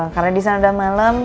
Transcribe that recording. karena disana udah malem